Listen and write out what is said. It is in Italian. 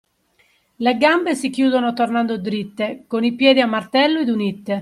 Le gambe si chiudono tornando dritte, con i piedi a martello ed unite.